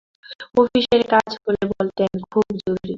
অফিসের কাজ হলে বলতেন, খুব জরুরি।